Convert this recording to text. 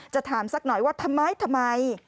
ถามสักหน่อยว่าทำไมทำไม